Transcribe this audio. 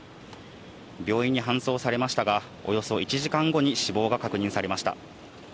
病院に搬送されましたが、およそ１時間後に死亡が確認されました。